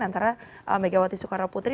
antara megawati soekaroputri